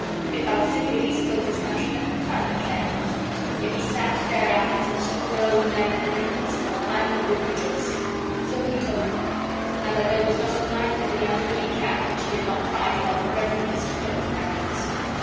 If Alcibiades killed his countrymen, Timon cared not. If he sacked fair Athens, and slew her old men and her infants, Timon would rejoice. So he told them; and that there was not a knife in the unruly camp which he did not prize above the reverendest throat in Athens.